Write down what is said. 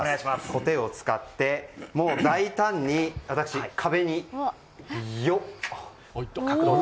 小手を使ってもう大胆に私、壁によっ！